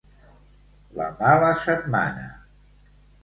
La mala setmana.